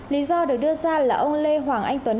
lý do được đưa ra là ông lê hoàng anh tuấn